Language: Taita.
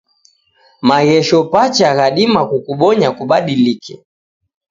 Maghesho pacha ghadima kukubonya kubadilike.